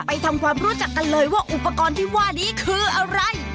ทำความรู้จักกันเลยว่าอุปกรณ์ที่ว่านี้คืออะไร